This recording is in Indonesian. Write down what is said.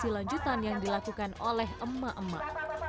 ini adalah kelanjutan yang dilakukan oleh emak emak